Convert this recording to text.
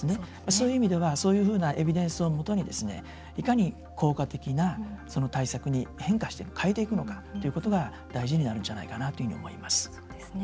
そういう意味ではそういうエビデンスをもとにいかに効果的な対策に変えていくのかということが大事になるんじゃないかなと思います。